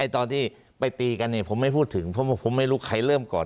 ตอนที่ไปตีกันผมไม่พูดถึงเพราะผมไม่รู้ใครเริ่มก่อน